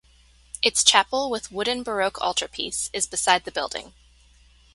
Its chapel with wooden baroque altarpiece is beside the building.